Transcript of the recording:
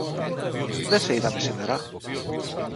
Δε σε είδαμε σήμερα.